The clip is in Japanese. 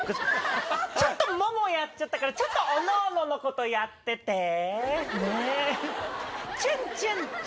ちょっとももやっちゃったから、ちょっと各々のことやっててー。